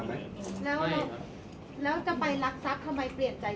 ก็จะเสียชีวิตโดย